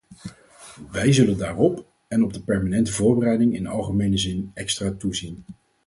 Wij zullen daarop en op de permanente voorbereidingen in algemene zin extra toezien.